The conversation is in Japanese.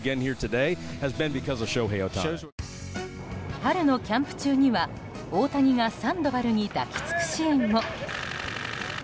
春のキャンプ中には、大谷がサンドバルに抱きつくシーンも。